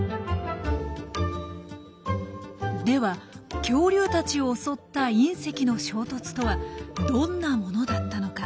では恐竜たちを襲った隕石の衝突とはどんなものだったのか？